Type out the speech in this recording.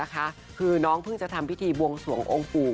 คือน้องเพิ่งจะทำพิธีบวงสวงองค์ปู่